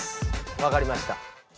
わかりました！